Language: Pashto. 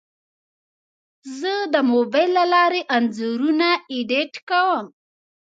زه د موبایل له لارې انځورونه ایډیټ کوم.